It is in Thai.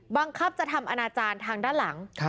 บังคับจะทำอนาจารย์ทางด้านหลัง